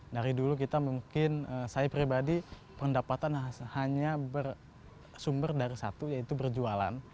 dari dulu kita mungkin saya pribadi pendapatan hanya bersumber dari satu yaitu berjualan